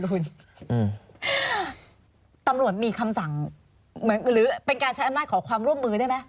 ด้วยธรรมหนวดมีคำสั่งหรือเป็นการใช้อำนาจของความร่วมมือได้ไหม